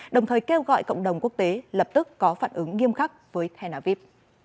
đồng thời kêu gọi cộng đồng quốc tế lập tức có phản ứng nghiêm khắc với tenaviv